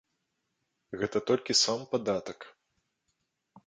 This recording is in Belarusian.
Гэта толькі сам падатак.